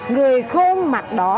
người khôn mặt đỏ